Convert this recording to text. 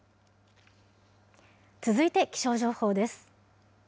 続いて気象情報です。